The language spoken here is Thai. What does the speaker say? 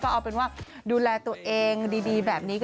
เอาเป็นว่าดูแลตัวเองดีแบบนี้